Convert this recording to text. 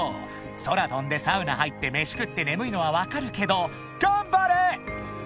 ［空飛んでサウナ入って飯食って眠いのは分かるけど頑張れ！］